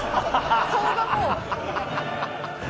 「顔がもう」